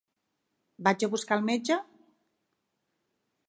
Vaig a buscar el metge?